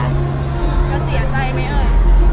เหลือสีอ้านใจไหมเอ่ย